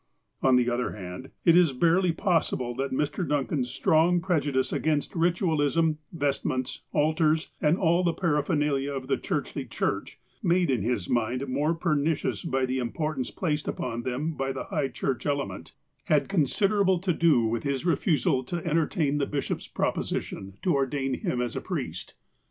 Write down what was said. On the other hand, it is barely possible that Mr. Dun can's strong prejudice against ritualism, vestments, altars, and all the parax)hernalia of the churchly church, made in his mind more pernicious by the importance placed upon them by the High Church element, had con 242 THE APOSTLE OF ALASKA siderable to do with his refusal to entertain the bishop's proposition to ordain him a priest.